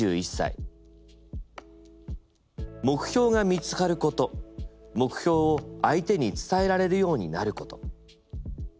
「目標が見つかること目標を相手に伝えられるようになること。